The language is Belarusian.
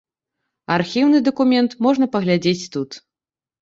Архіўны дакумент можна паглядзець тут.